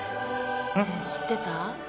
ねえ知ってた？